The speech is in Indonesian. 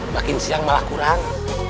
makin siang malah kurang